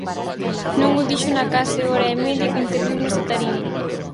Non o dixo na case hora e media que interveu nesta tarima.